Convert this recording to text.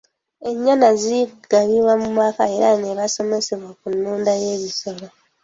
Ennyana zigabibwa mu maka era ne basomesebwa ku nnunda y'ebisolo.